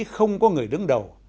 không có người đứng đầu